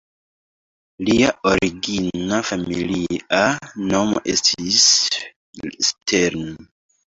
Lia origina familia nomo estis Stern".